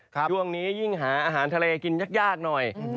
ช่วงนี้ยิ่งหาอาหารทะเลกินยากหน่อย